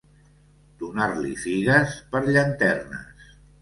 Donar-li figues per llanternes.